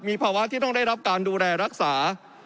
มีภาวะที่ต้องได้รับการดูแลรักษา